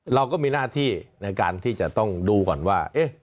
เราก็มีหน้าที่ในการที่จะ